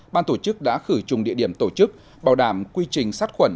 ban tổ chức đã khử chung địa điểm tổ chức bảo đảm quy trình sát khuẩn